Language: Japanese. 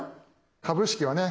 株式はね